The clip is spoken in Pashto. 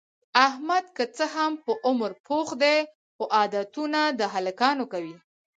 احمد که څه هم په عمر پوخ دی، خو عادتونه د هلکانو کوي.